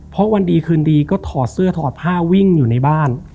เพราะวันดีคืนดีก็ถอดเสื้อถอดผ้าวิ่งอยู่ในบ้าน